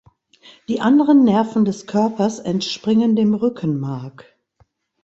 Die anderen Nerven des Körpers entspringen dem Rückenmark.